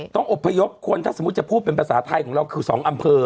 ต้องอบพยพคนถ้าสมมุติจะพูดเป็นภาษาไทยของเราคือ๒อำเภอ